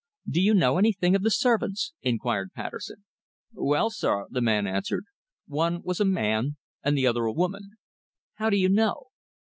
"Do you know anything of the servants?" inquired Patterson. "Well, sir," the man answered, "one was a man, and the other a woman." "How do you know?"